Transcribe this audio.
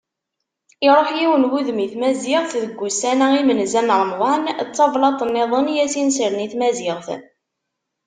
Iruḥ yiwen n wudem i tmaziɣt deg wussan-a imenza n Remḍan, d tablaḍt nniḍen i as-inesren i tmaziɣt.